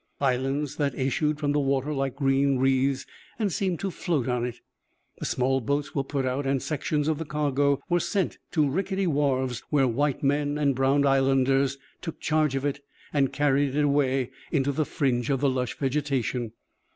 Islands that issued from the water like green wreaths and seemed to float on it. The small boats were put out and sections of the cargo were sent to rickety wharves where white men and brown islanders took charge of it and carried it away into the fringe of the lush vegetation.